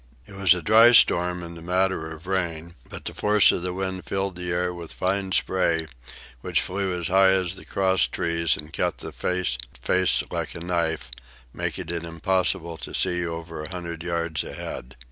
It was a dry storm in the matter of rain, but the force of the wind filled the air with fine spray, which flew as high as the crosstrees and cut the face like a knife, making it impossible to see over a hundred yards ahead.